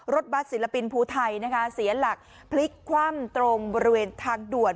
รถบัตรศิลปินภูไทยนะคะเสียหลักพลิกคว่ำตรงบริเวณทางด่วน